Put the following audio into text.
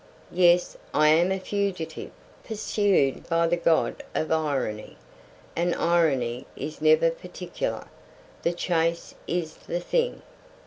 "Yes; I am a fugitive, pursued by the god of Irony. And Irony is never particular; the chase is the thing.